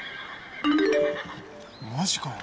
マジかよ？